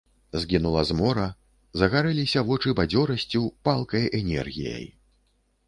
Згінула змора, загарэліся вочы бадзёрасцю, палкай энергіяй.